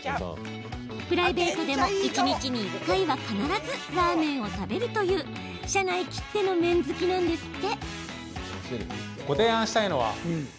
プライベートでも一日に１回は必ずラーメンを食べるという社内きっての麺好きなんですって。